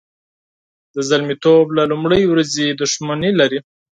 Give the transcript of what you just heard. د زلمیتوب له لومړۍ ورځې دښمني لري.